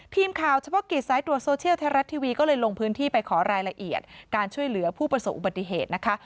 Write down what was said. ทีมข่าวเฉพาะกิจสายตรวจโซเชียลไทยรัฐทีวีก็เลยลงพื้นที่ไปขอรายละเอียดการช่วยเหลือผู้ประสบอุบัติเหตุนะคะ